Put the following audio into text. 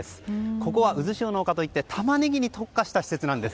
ここはうずしおの丘といってタマネギに特化した施設なんです。